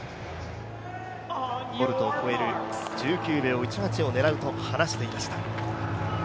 ボルトを超える１９秒１８を狙うと話していました。